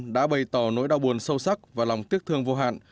đã bày tỏ nỗi đau buồn sâu sắc và lòng tiếc thương vô hạn